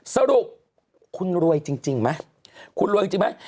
สรุปคุณรวยจริงไหมคุณรวยจริงไหม